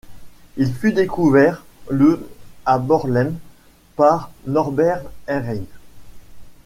Il fut découvert le à Bornheim par Norbert Ehring.